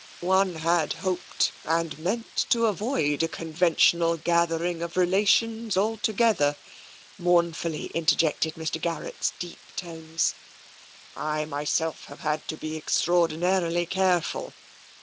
One had hoped, and meant, to avoid a conventional gathering of relations altogether," mournfully inter jected Mr. Garrett's deep tones. " I myself have had to be extraordinarily careful.